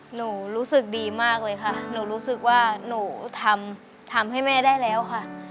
หนูรู้สึกดีมากเลยค่ะหนูรู้สึกว่าหนูทำให้แม่ได้แล้วค่ะ